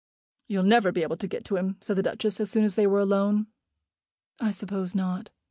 "You'll never be able to get to him," said the Duchess, as soon as they were alone. "I suppose not."